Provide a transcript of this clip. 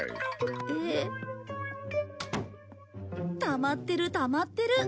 たまってるたまってる。